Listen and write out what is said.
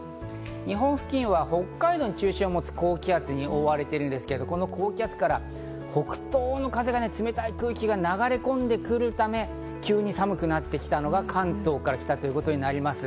日本付近は北海道に中心を持つ高気圧に覆われているんですけど、この高気圧から北東の風が冷たい空気が流れ込んでくるため、急に寒くなってきたのが関東から来たということになります。